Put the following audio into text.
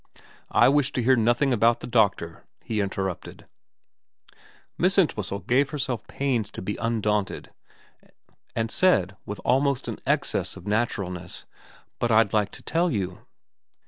' I wish to hear nothing about the doctor,' he in terrupted. Miss Entwhistle gave herself pains to be undaunted, and said with almost an excess of naturalness, ' But I'd like to tell you.'